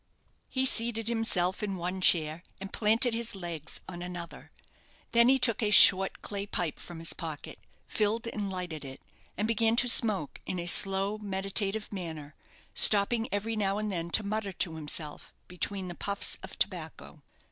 He seated himself in one chair, and planted his legs on another. Then he took a short clay pipe from his pocket, filled and lighted it, and began to smoke, in a slow meditative manner, stopping every now and then to mutter to himself, between the puffs of tobacco.